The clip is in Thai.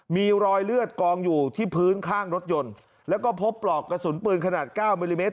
มีรอยเลือดกองอยู่ที่พื้นข้างรถยนต์แล้วก็พบปลอกกระสุนปืนขนาด๙มิลลิเมตร